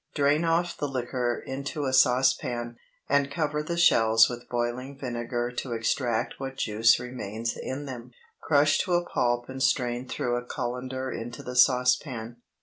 Drain off the liquor into a saucepan, and cover the shells with boiling vinegar to extract what juice remains in them. Crush to a pulp and strain through a cullender into the saucepan.